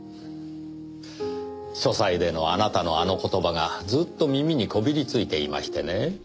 書斎でのあなたのあの言葉がずっと耳にこびりついていましてね。